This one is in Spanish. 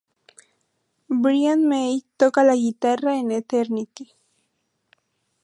Brian May toca la guitarra en "Eternity".